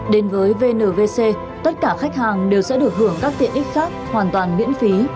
đến với vnvc tất cả khách hàng đều sẽ được hưởng các tiện ích khác hoàn toàn miễn phí